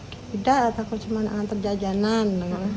tidak lah aku cuma anak anak terjajanan